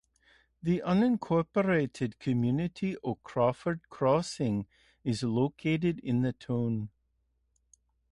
The unincorporated community of Crawford Crossing is located in the town.